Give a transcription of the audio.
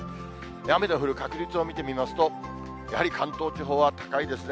雨の降る確率を見てみますと、やはり関東地方は高いですね。